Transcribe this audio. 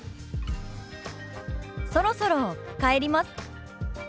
「そろそろ帰ります」。